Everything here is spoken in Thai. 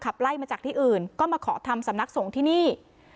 ไล่มาจากที่อื่นก็มาขอทำสำนักสงฆ์ที่นี่